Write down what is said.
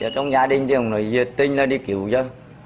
trong gia đình thì không nói gì tin là đi cứu chứ